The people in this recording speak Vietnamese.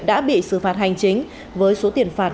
đã bị xử phạt hành chính với số tiền phạt